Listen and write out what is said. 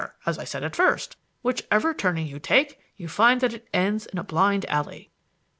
as I said at first, whichever turning you take, you find that it ends in a blind alley."